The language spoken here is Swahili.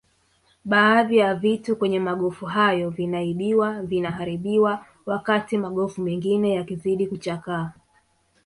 Baadhi ya vitu kwenye magofu hayo vinaibwa vinaharibiwa wakati magofu mengine yakizidi kuchakaa